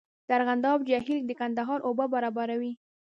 د ارغنداب جهیل د کندهار اوبه برابروي